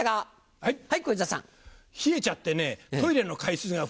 はい。